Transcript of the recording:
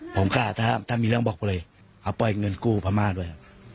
ผมกล้าถ้ามีเรื่องบอกไปเลยเอาปล่อยเงินกู้พม่าด้วย